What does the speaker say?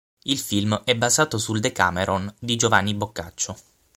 Il film è basato sul "Decameron" di Giovanni Boccaccio.